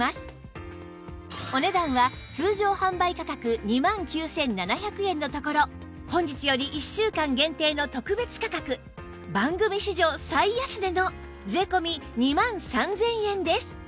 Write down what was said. お値段は通常販売価格２万９７００円のところ本日より１週間限定の特別価格番組史上最安値の税込２万３０００円です